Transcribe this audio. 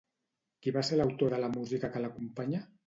Qui va ser l'autor de la música que l'acompanya?